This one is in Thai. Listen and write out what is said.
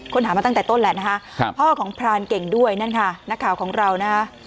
หามาตั้งแต่ต้นแหละนะคะพ่อของพรานเก่งด้วยนั่นค่ะนักข่าวของเรานะฮะ